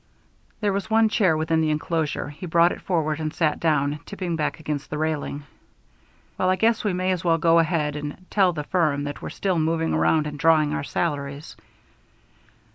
There was one chair within the enclosure; he brought it forward and sat down, tipping back against the railing. "Well, I guess we may as well go ahead and tell the firm that we're still moving around and drawing our salaries.